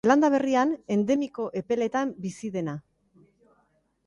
Zeelanda Berrian endemiko epeletan bizi dena.